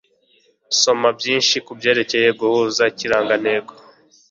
Soma byinshi kubyerekeye guhuza Ikirangantego